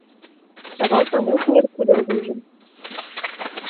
Савалта мо куэр кудыр вуйжым